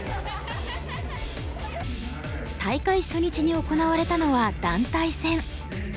大会初日に行われたのは団体戦。